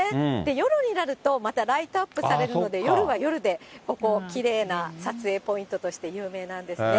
夜になると、またライトアップされるので、夜は夜でここ、きれいな撮影ポイントとして有名なんですね。